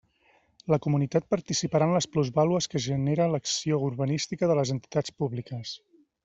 La comunitat participarà en les plusvàlues que genere l'acció urbanística de les entitats públiques.